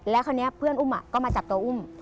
แล้วคราวนี้เพื่อนอุ้มก็มาจับตัวอุ้ม